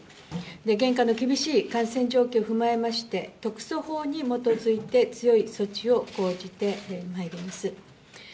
現下の厳しい感染状況を踏まえまして、特措法に基づいて、強い措置を講じてまいります。